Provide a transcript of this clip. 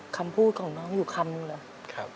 คำพูดของน้องอยู่ข้ามนู้นเหรอ